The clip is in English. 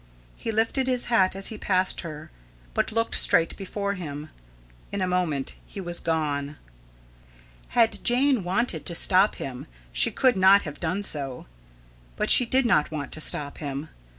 He lifted his hat as he passed her, but looked straight before him. In a moment he was gone. Had Jane wanted to stop him she could not have done so. But she did not want to stop him.